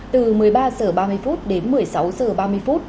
từ một mươi ba h ba mươi đến một mươi sáu h ba mươi phút